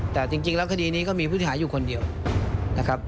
แต่จริงแล้วคดีนี้ก็มีผู้เสียหายอยู่คนเดียวนะครับ